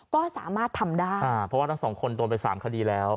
ก็สามารถทำได้อ่าเพราะว่าทั้งสองคนโดนไปสามคดีแล้ว